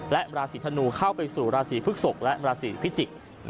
และราศีธนูเข้าไปสู่ราศีพฤกษกและราศีพิจิกษ์